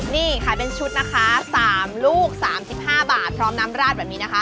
นี่ขายเป็นชุดนะคะ๓ลูก๓๕บาทพร้อมน้ำราดแบบนี้นะคะ